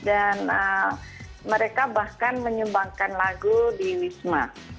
dan mereka bahkan menyumbangkan lagu di wisma